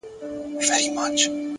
لوړ انسان د نورو ارزښت پېژني,